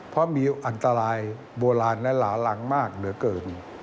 เพราะมีอันตรายโบราณและหลาลังมากเหลือเกิน